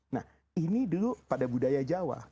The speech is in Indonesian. nah ini dulu pada budaya jawa